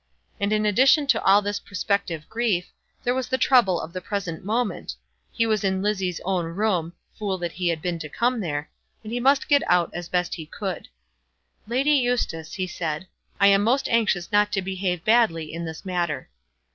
And in addition to all this prospective grief, there was the trouble of the present moment. He was in Lizzie's own room, fool that he had been to come there, and he must get out as best he could. "Lady Eustace," he said, "I am most anxious not to behave badly in this matter."